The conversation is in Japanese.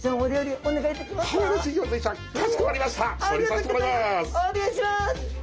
お願いします。